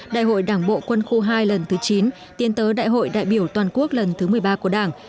đại hội đảng bộ quân khu hai lần thứ chín tiến tới đại hội đại biểu toàn quốc lần thứ một mươi ba của đảng